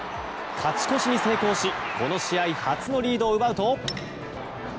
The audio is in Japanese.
勝ち越しに成功しこの試合初のリードを奪うと。